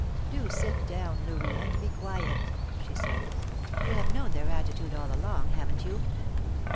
"Do sit down, Louis, and be quiet," she said. "You have known their attitude all along, haven't you?"